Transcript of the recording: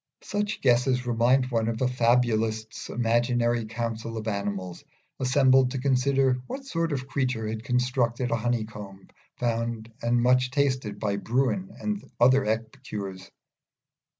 Such guesses remind one of a fabulist's imaginary council of animals assembled to consider what sort of creature had constructed a honeycomb found and much tasted by Bruin and other epicures.